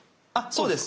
そうです。